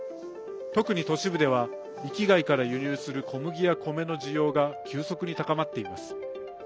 特に都市部では域外から輸入する小麦や米の需要が急速に高まっています。